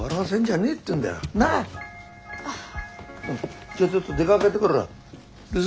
じゃあちょっと出かけてくる。